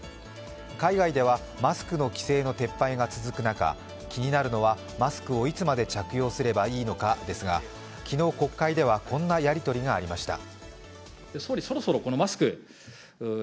海外ではマスクの規制の撤廃が続く中、気になるのはマスクをいつまで着用すればいいのかですが昨日、国会ではこんなやり取りがありました。